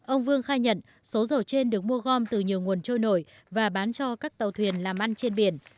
ông vương khai nhận số dầu trên được mua gom từ nhiều nguồn trôi nổi và bán cho các tàu thuyền làm ăn trên biển